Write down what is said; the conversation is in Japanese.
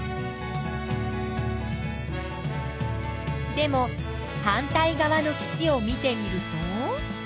でも反対側の岸を見てみると。